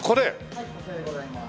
はいこちらでございます。